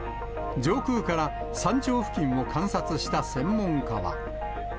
上空から山頂付近を観察した専門家は。